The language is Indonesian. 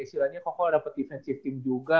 istilahnya koko dapet defensive team juga